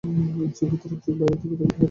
আংশিক ভেতরে ও আংশিক বাইরে থাকতে পারবে না।